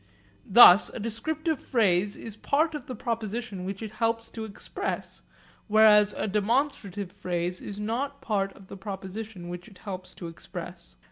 Thus a descriptive phrase is part of the proposition which it helps to express, whereas a demonstrative phrase is not part of the proposition which it helps to express.